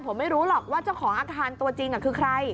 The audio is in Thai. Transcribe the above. ผมไม่รู้หรอกว่าเจ้าของอาคารตัวจริงคือใคร